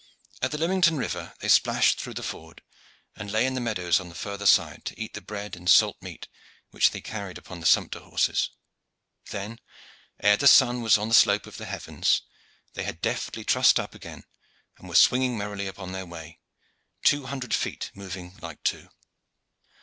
At the Lymington River they splashed through the ford, and lay in the meadows on the further side to eat the bread and salt meat which they carried upon the sumpter horses. Then, ere the sun was on the slope of the heavens, they had deftly trussed up again, and were swinging merrily upon their way, two hundred feet moving like two.